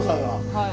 はい。